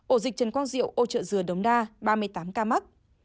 ổ dịch trần quang diệu ô trợ dừa đống đa ba mươi tám ca mắc